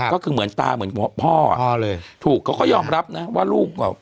ก็คือเหมือนตาเหมือนพ่ออ่ะถูกเขาก็ยอมรับนะว่าลูกอ่ะ